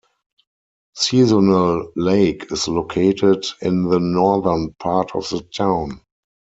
Seasonal Lake is located in the northern part of the town.